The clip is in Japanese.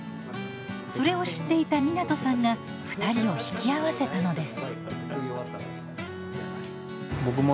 それを知っていた湊さんが２人を引き合わせたのです。